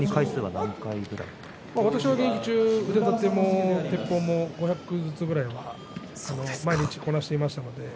私は腕立て、てっぽうを５００ずつぐらいは毎日こなしていました。